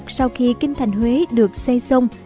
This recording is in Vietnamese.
sau khi kinh thành huế được xây xong